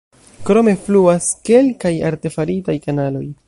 Krome fluas kelkaj artefaritaj kanaloj.